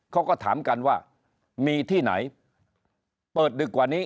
เขาก็ถามกันว่ามีที่ไหนเปิดดึกกว่านี้